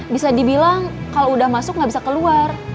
bisa dibilang kalau udah masuk nggak bisa keluar